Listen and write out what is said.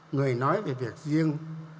người nói về việc riêng